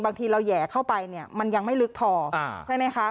บางทีเราแห่เข้าไปเนี่ยมันยังไม่ลึกพอใช่ไหมคะ